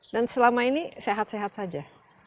dan selama ini sehat sehat saja